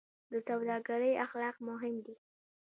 د سوداګرۍ اخلاق مهم دي